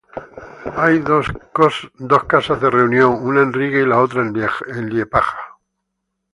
Hay dos casas de reunión, una en Riga y otra en Liepāja.